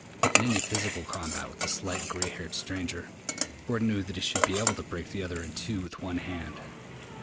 In any physical combat with the slight gray haired stranger, Gordon knew that he should be able to break the other in two with one hand.